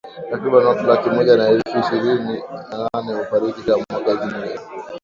Takriban watu laki moja na elfu ishirini na nane hufariki kila mwaka nchini Uganda.